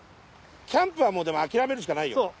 ャンプはもうでも諦めるしかないよ。